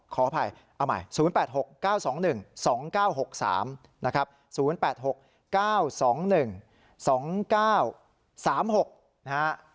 ขออภัยเอาใหม่๐๘๖๙๒๑๒๙๖๓นะครับ๐๘๖๙๒๑๒๙๓๖นะฮะ